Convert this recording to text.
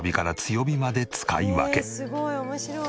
すごい面白い。